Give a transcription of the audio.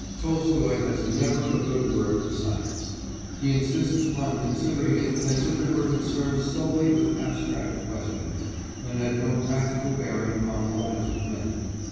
Tolstoy has never a good word for science; he insists upon considering it as if it were concerned solely with abstract questions, and had no practical bearing upon the lives of men.